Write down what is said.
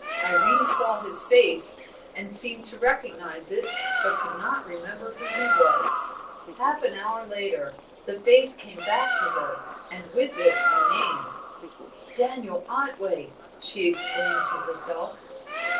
Irene saw his face, and seemed to recognise it, but could not remember who he was. Half an hour later, the face came back to her, and with it a name. "Daniel Otway!" she exclaimed to herself.